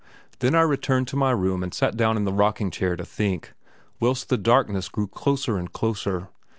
Then I returned to my room and sat down in the rocking chair to think, whilst the darkness grew closer and closer.